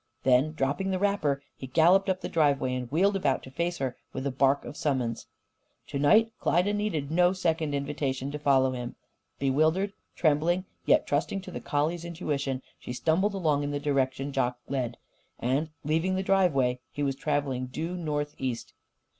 Then, dropping the wrapper, he galloped up the driveway and wheeled about to face her with a bark of summons. To night Klyda needed no second invitation to follow him. Bewildered, trembling, yet trusting to the collie's intuition, she stumbled along in the direction Jock led. And, leaving the driveway, he was travelling due northeast.